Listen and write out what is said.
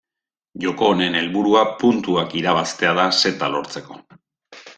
Joko honen helburua puntuak irabaztea da seta lortzeko.